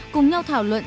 cùng nhau thảo luận